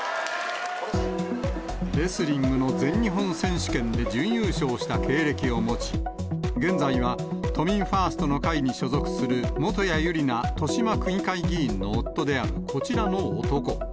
レスリングの全日本選手権で準優勝した経歴を持ち、現在は都民ファーストの会に所属する元谷ゆりな豊島区議会議員の夫であるこちらの男。